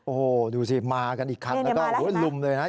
โอ้โหดูสิมากันอีกคันแล้วก็ลุมเลยนะ